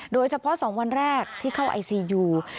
โดยเฉพาะ๒วันแรกที่เข้าไอซียู